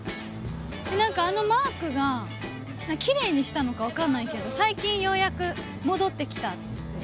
なんか、あのマークがきれいにしたのか分かんないけど、最近、ようやく戻ってきたって。